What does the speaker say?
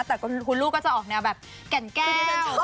แต่คุณลูกก็จะออกแนวแบบแก่นแก้ว